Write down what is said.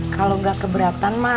kalau gak keberatan mah